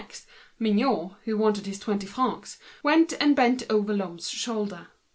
Then Mignot, who wanted his twenty francs, went and bent over Lhomme's shoulder.